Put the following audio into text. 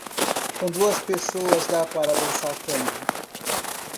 Com duas pessoas dá para dançar tango.